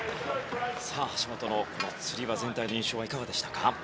橋本のつり輪全体の印象はいかがでしたか？